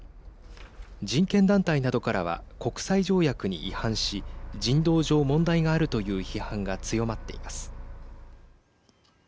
人権団体などからは国際条約に違反し人道上、問題があるという批判が強まっています。